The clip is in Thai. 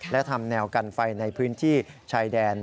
และทำแนวกันไฟในพื้นที่ชายแดน